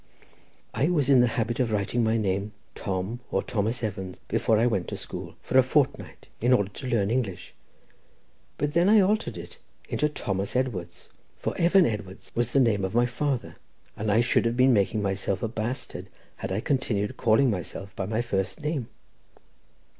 "I was in the habit of writing my name Tom, or Thomas Evans, before I went to school for a fortnight in order to learn English; but then I altered it into Thomas Edwards, for Evan Edwards was the name of my father, and I should have been making myself a bastard had I continued calling myself by my first name.